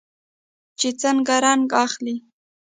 چې څنګه رنګ اخلي.